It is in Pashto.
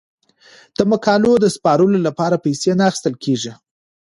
د مقالو د سپارلو لپاره پیسې نه اخیستل کیږي.